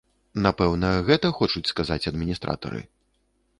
Напэўна, гэта хочуць сказаць адміністратары?